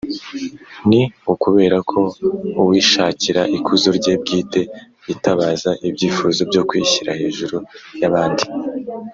Ni ukubera ko uwishakira ikuzo rye bwite yitabaza ibyifuzo byo kwishyira hejuru y’abandi